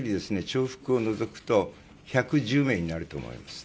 重複を除くと１１０名になると思います。